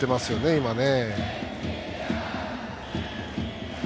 今ね。